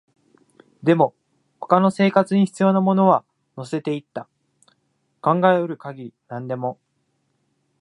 でも、他の生活に必要なものは乗せていった、考えうる限り何でも